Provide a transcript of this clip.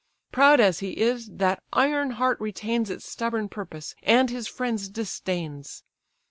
Proud as he is, that iron heart retains Its stubborn purpose, and his friends disdains.